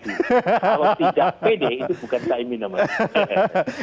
kalau tidak pede itu bukan cah imin namanya